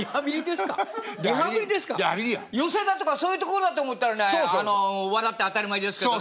寄席だとかそういう所だと思ったらね笑って当たり前ですけどね